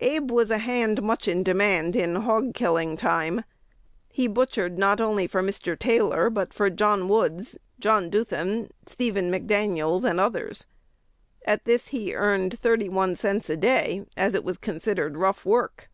Abe was a hand much in demand in "hog killing time." He butchered not only for Mr. Taylor, but for John Woods, John Duthan, Stephen McDaniels, and others. At this he earned thirty one cents a day, as it was considered "rough work."